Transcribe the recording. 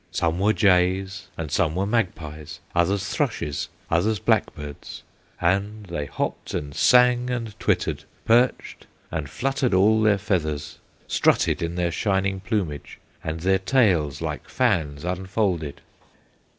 Some were jays and some were magpies, Others thrushes, others blackbirds; And they hopped, and sang, and twittered, Perked and fluttered all their feathers, Strutted in their shining plumage, And their tails like fans unfolded.